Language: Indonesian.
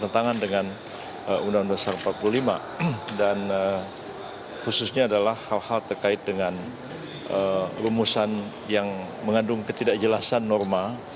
bertentangan dengan undang undang dasar empat puluh lima dan khususnya adalah hal hal terkait dengan rumusan yang mengandung ketidakjelasan norma